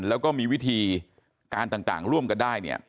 แล้วก็มีวิธีการต่างร่วมกันได้เนี่ย